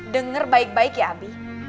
dengar baik baik ya abi